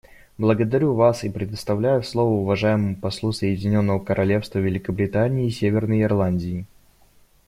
Благодарю вас и предоставляю слово уважаемому послу Соединенного Королевства Великобритании и Северной Ирландии.